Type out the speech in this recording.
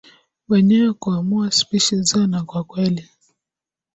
wenyewe kuamua spishi zao na kwa kweli